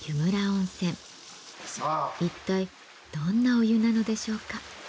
一体どんなお湯なのでしょうか？